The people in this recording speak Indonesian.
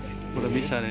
sudah bisa ya